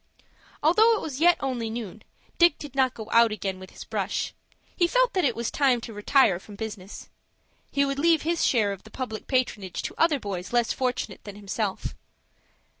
Although it was yet only noon, Dick did not go out again with his brush. He felt that it was time to retire from business. He would leave his share of the public patronage to other boys less fortunate than himself.